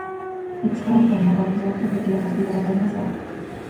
リッツカールトンのラウンジをよく利用させていただいておりますわ